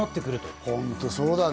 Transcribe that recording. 本当そうだね。